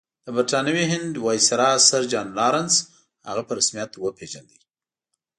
د برټانوي هند ویسرا سر جان لارنس هغه په رسمیت وپېژانده.